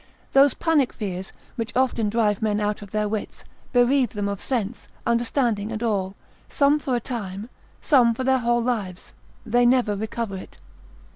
those panic fears, which often drive men out of their wits, bereave them of sense, understanding and all, some for a time, some for their whole lives, they never recover it.